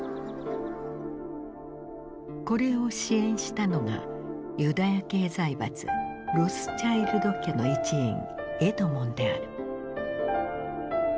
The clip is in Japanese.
これを支援したのがユダヤ系財閥ロスチャイルド家の一員エドモンである。